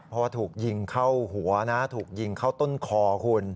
เพราะว่าถูกยิงเข้าหัวนะถูกยิงเข้าต้นคอคุณ